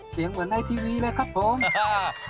เสียงเหมือนในทีวีเลยครับผมอ่า